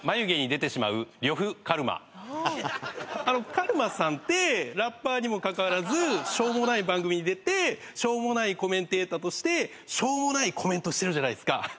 カルマさんってラッパーにもかかわらずしょうもない番組に出てしょうもないコメンテーターとしてしょうもないコメントしてるじゃないですか。